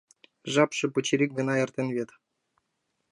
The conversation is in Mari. Жапше пычырик гына эртен вет.